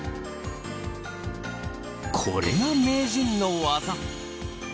これが名人の技。